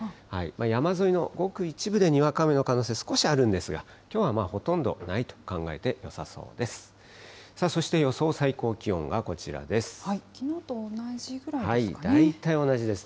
山沿いのごく一部でにわか雨の可能性、少しあるんですが、きょうはほとんどないと考えてよさそうです。